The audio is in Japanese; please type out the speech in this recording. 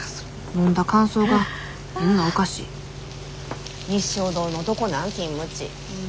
飲んだ感想がみんなおかしい日粧堂のどこなん？